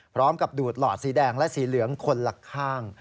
ดูดหลอดสีแดงและสีเหลืองคนละข้าง